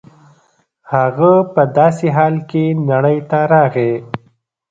هغه په داسې حال کې نړۍ ته راغی.